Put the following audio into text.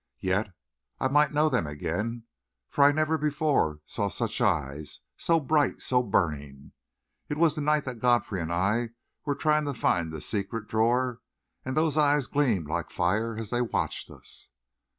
Yet I might know them again, for I never before saw such eyes so bright, so burning. It was the night that Godfrey and I were trying to find the secret drawer, and those eyes gleamed like fire as they watched us."